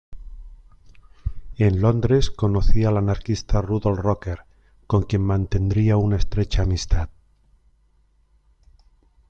En Londres conoció al anarquista Rudolf Rocker, con quien mantendría una estrecha amistad.